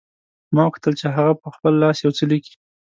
ما وکتل چې هغه په خپل لاس یو څه لیکي